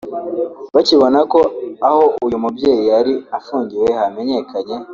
bakibona ko aho uyu mubyeyi yari afungiwe hamenyekanye